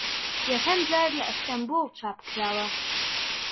یەکەم جار لە ئەستەمبوڵ چاپ کراوە